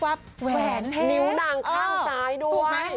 แหวนเฮ็ดนิ้วดังข้างซ้ายดูไว้